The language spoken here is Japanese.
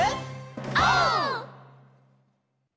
オー！